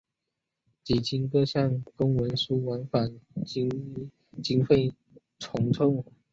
几经各项公文书往返及经费筹凑。